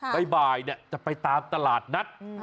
บ่ายจะไปตามตลาดนัด